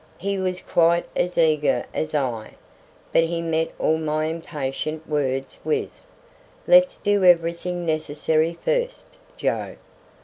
He was quite as eager as I, but he met all my impatient words with "Let's do everything necessary first, Joe.